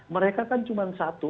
mereka kan cuma satu